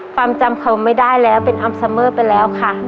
ความจำเขาไม่ได้แล้วเป็นอัมซัมเมอร์ไปแล้วค่ะ